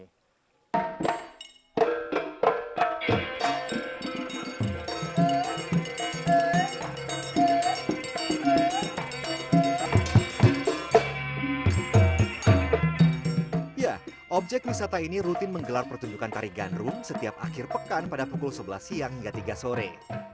nah objek wisata ini rutin menggelar pertunjukan tari ganrum setiap akhir pekan pada pukul sebelas siang hingga tiga sore